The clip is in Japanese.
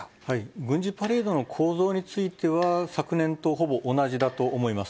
軍事パレードの構造については、昨年とほぼ同じだと思います。